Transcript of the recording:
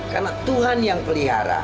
karena tuhan yang pelihara